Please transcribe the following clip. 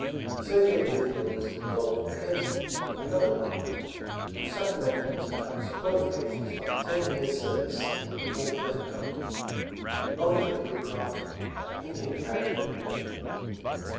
Associated with him was Donald McKenzie, another partner, who supplemented Mr. Hunt's qualifications by ten years' service in the Northwest Company, a knowledge of woodcraft and Indian character in the open.